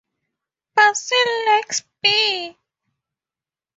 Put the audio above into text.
Basil likes Bee.